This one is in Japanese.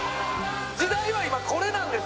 時代は今これなんです！